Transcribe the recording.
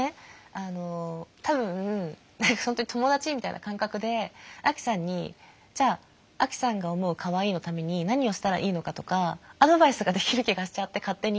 あの多分本当に友だちみたいな感覚でアキさんにじゃあアキさんが思うかわいいのために何をしたらいいのかとかアドバイスができる気がしちゃって勝手に。